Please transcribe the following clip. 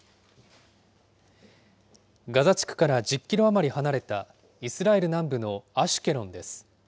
ガザ地区から１０キロ余り離れたイスラエル南部のアシュケロンです。